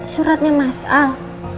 suratnya mas al